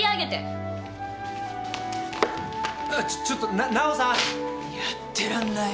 ああちょちょっと奈緒さん！やってらんない！